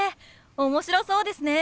面白そうですね！